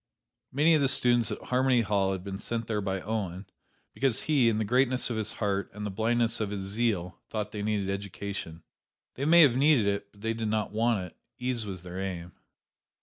Many of the students at Harmony Hall had been sent there by Owen, because he, in the greatness of his heart and the blindness of his zeal, thought they needed education. They may have needed it; but they did not want it: ease was their aim.